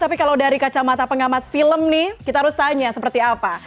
tapi kalau dari kacamata pengamat film nih kita harus tanya seperti apa